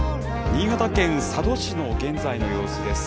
新潟県佐渡市の現在の様子です。